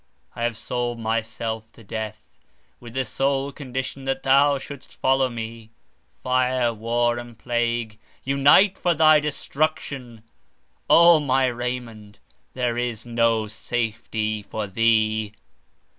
I have sold myself to death, with the sole condition that thou shouldst follow me—Fire, and war, and plague, unite for thy destruction—O my Raymond, there is no safety for thee!"